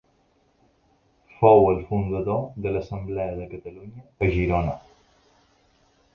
Fou el fundador de l'Assemblea de Catalunya a Girona.